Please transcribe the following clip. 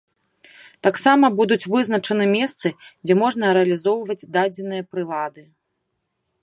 Таксама будуць вызначаны месцы, дзе можна рэалізоўваць дадзеныя прылады.